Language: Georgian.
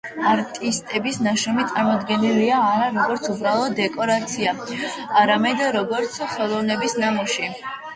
არტისტების ნაშრომები წარმოდგენილია არა როგორც უბრალოდ დეკორაცია, არამედ როგორც ხელოვნების ნიმუშები.